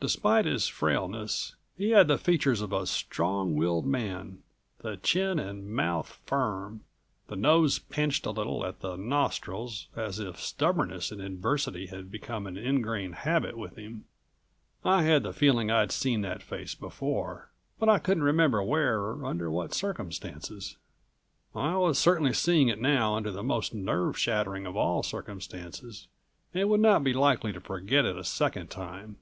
Despite his frailness, he had the features of a strong willed man, the chin and mouth firm, the nose pinched a little at the nostrils, as if stubbornness in adversity had become an ingrained habit with him. I had the feeling I'd seen that face before, but I couldn't remember where or under what circumstances. I was certainly seeing it now under the most nerve shattering of all circumstances and would not be likely to forget it a second time.